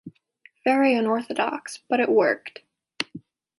Very unorthodox, but it worked.